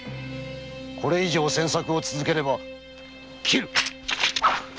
これ以上詮索を続ければ斬る！